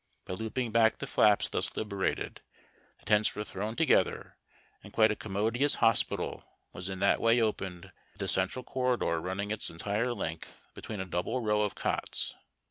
By looping back the flaps thus liberated, nO]V THE SOLDIERS WEliE SHELTER EU. 51 the tents were thrown together, and quite a commodious hospital was in that way opened with a central corridor running its entire length between a double row of cots.